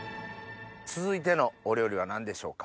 続いてのお料理は何でしょうか？